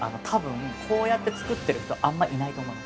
多分こうやって作ってる人はあんまりいない。